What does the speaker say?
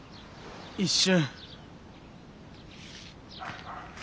一瞬。